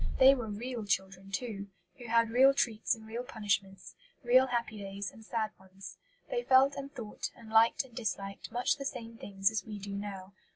They were real children too, who had real treats and real punishments, real happy days and sad ones. They felt and thought and liked and disliked much the same things as we do now.